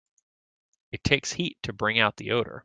It takes heat to bring out the odor.